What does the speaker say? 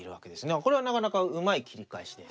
これはなかなかうまい切り返しです。